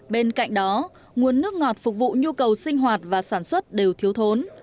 bên cạnh đó nguồn nước ngọt phục vụ nhu cầu sinh hoạt và sản xuất đều thiếu thốn